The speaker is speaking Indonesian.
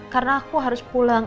karena aku harus pulang